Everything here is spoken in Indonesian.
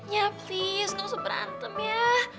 ya please nggak usah berantem ya